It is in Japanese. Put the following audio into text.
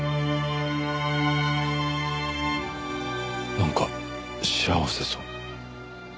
なんか幸せそう。